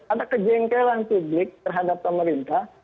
ada kejengkelan publik terhadap pemerintah